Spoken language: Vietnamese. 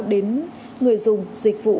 đến người dùng dịch vụ